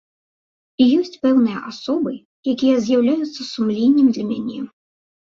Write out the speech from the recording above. І ёсць пэўныя асобы, якія з'яўляюцца сумленнем для мяне.